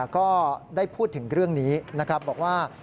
ก็ได้พูดถึงเรื่องนี้นะครับบอกว่า